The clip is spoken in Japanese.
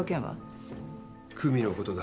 久実のことだ。